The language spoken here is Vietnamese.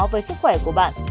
với sức khỏe của bạn